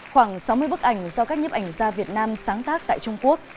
khoảng sáu mươi bức ảnh do các nhếp ảnh gia việt nam sáng tác tại trung quốc